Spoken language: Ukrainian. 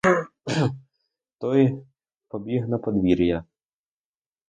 Той побіг на подвір'я.